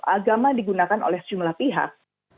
agama digunakan oleh sejumlah pihak